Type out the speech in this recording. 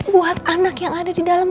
buat anak yang ada di dalam